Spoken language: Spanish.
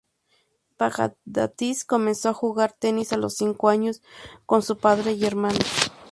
Baghdatis comenzó a jugar tenis a los cinco años con su padre y hermanos.